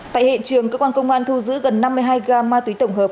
tại hiện trường cơ quan công an thu giữ gần năm mươi hai gam ma túy tổng hợp